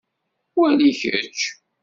Wali kečč.